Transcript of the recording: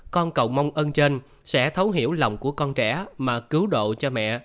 con cầu mong ơn trên sẽ thấu hiểu lòng của con trẻ mà cứu độ cho mẹ